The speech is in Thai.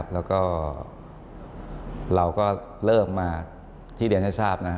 แล้วก็เราก็เริ่มมาที่เรียนให้ทราบนะฮะ